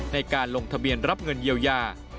ในการลงทะเบียนรับเงินเยียวยา